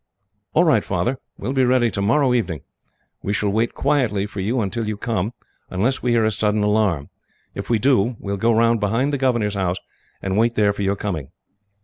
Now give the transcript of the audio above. "All right, Father. We will be ready tomorrow evening. We shall wait quietly for you until you come, unless we hear a sudden alarm. If we do, we will go round behind the governor's house, and wait there for your coming."